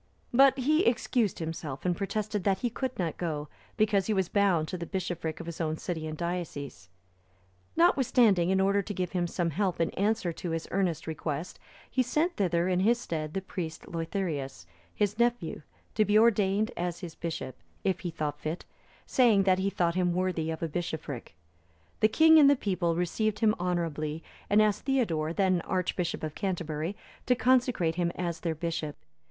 But he excused himself, and protested that he could not go, because he was bound to the bishopric of his own city and diocese; notwithstanding, in order to give him some help in answer to his earnest request, he sent thither in his stead the priest Leutherius,(330) his nephew, to be ordained as his bishop, if he thought fit, saying that he thought him worthy of a bishopric. The king and the people received him honourably, and asked Theodore, then Archbishop of Canterbury, to consecrate him as their bishop.